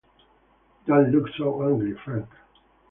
Don't look so angry, Frank.